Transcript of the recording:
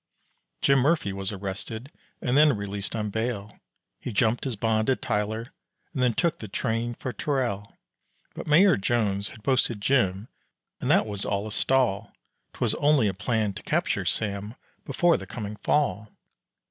Jim Murphy was arrested, and then released on bail; He jumped his bond at Tyler and then took the train for Terrell; But Mayor Jones had posted Jim and that was all a stall, 'Twas only a plan to capture Sam before the coming fall.